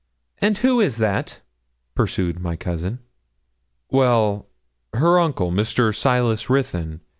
'And who is that?' pursued my cousin. 'Well, her uncle, Mr. Silas Ruthyn.